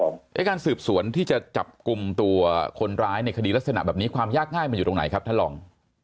ในการสืบสวนที่จะจับกลุ่มตัวคนร้ายในคดีลักษณะแบบนี้ความยากง่ายมันอยู่ตรงไหนครับท่านลอง